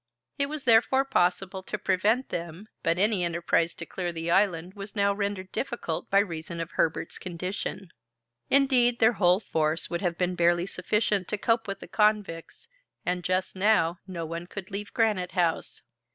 It was, therefore, possible to prevent them, but any enterprise to clear the island was now rendered difficult by reason of Herbert's condition. Indeed, their whole force would have been barely sufficient to cope with the convicts, and just now no one could leave Granite House.